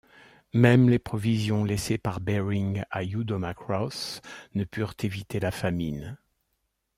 Même les provisions laissées par Béring à Yudoma Cross ne purent éviter la famine.